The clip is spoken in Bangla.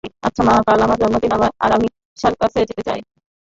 আচ্ছা মা, কাল আমার জন্মদিন, আর আমি সার্কাসে যেতে চাই।